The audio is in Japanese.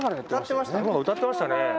歌ってましたね。